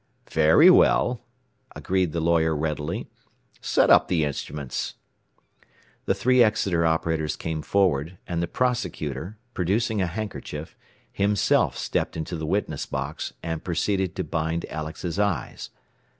"Very well," agreed the lawyer readily. "Set up the instruments." The three Exeter operators came forward, and the prosecutor, producing a handkerchief, himself stepped into the witness box and proceeded to bind Alex's eyes.